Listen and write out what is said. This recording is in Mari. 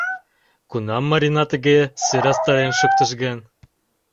Кунам Марина тыге сӧрастарен шуктыш гын?